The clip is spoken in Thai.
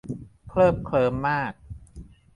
เคลิบเคลิ้มมาก